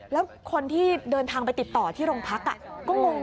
แล้วคนที่เดินทางไปติดต่อที่โรงพักก็งง